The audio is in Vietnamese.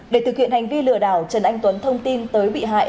để thực hiện hành vi lừa đảo trần anh tuấn thông tin tới bị hại